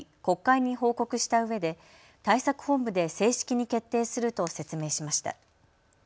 国会に報告したうえで対策本部で正式に決定すると説明しました。